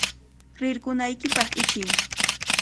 ¡Rirqunaykipaq ichiy!